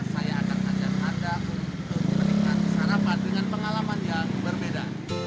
saya akan ajak anda untuk menikmati sarapan dengan pengalaman yang berbeda